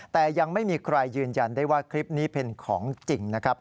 แต่ยังไม่มีใครยืนยันได้ว่าคลิปนี้เป็นของจริงนะครับ